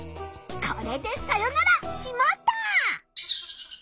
これでさよなら「しまった！」。